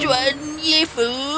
juan ye fu